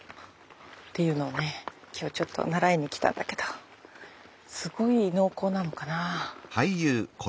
今日ちょっと習いに来たんだけどすごい濃厚なのかな。